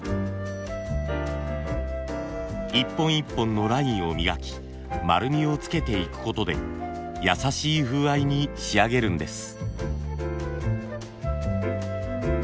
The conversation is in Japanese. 一本一本のラインを磨き丸みをつけていくことで優しい風合いに仕上げるんです。